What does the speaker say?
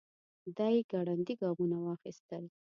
دی ګړندي ګامونه واخيستل.